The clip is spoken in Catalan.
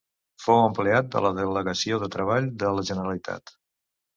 Fou empleat de la delegació de Treball de la Generalitat.